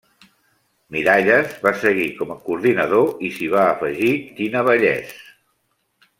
Miralles va seguir com a coordinador i s'hi va afegir Tina Vallès.